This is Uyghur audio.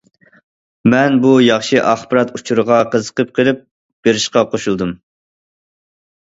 مەن بۇ ياخشى ئاخبارات ئۇچۇرىغا قىزىقىپ قېلىپ، بېرىشقا قوشۇلدۇم.